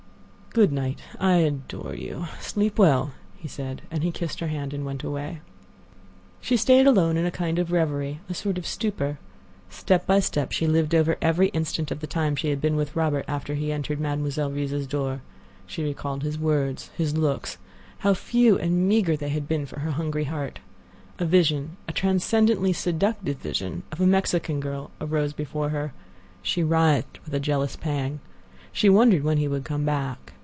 "Good night. I adore you. Sleep well," he said, and he kissed her hand and went away. She stayed alone in a kind of reverie—a sort of stupor. Step by step she lived over every instant of the time she had been with Robert after he had entered Mademoiselle Reisz's door. She recalled his words, his looks. How few and meager they had been for her hungry heart! A vision—a transcendently seductive vision of a Mexican girl arose before her. She writhed with a jealous pang. She wondered when he would come back.